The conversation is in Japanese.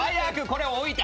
これ置いて。